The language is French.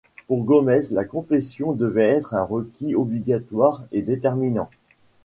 Pour Gomez, la confession devait être un requis obligatoire et déterminant.